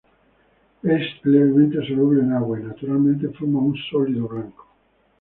Es levemente soluble en agua, y naturalmente forma un sólido blanco.